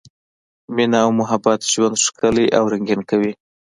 مینه او محبت ژوند ښکلی او رنګین کوي.